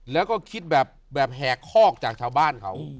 แล้วก็คิดแบบแหกคอกจากชาวบ้านเขา